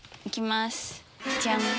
行きます。